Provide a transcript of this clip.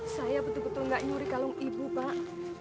saya betul betul nggak nyuri galung ibu pak